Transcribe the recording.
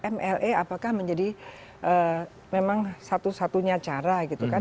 mla apakah menjadi memang satu satunya cara gitu kan